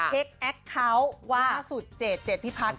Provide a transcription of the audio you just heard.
เช็คแอคเคาน์ว่าล่าสุด๗๗๗พี่พัฒน์